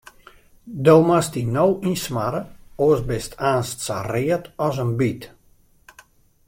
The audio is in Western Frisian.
Do moatst dy no ynsmarre, oars bist aanst sa read as in byt.